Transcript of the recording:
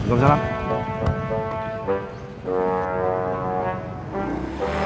gak ada diri